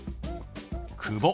「久保」。